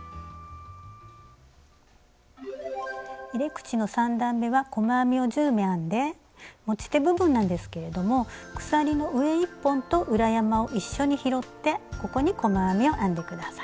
入れ口の３段めは細編みを１０目編んで持ち手部分なんですけれども鎖の上１本と裏山を一緒に拾ってここに細編みを編んで下さい。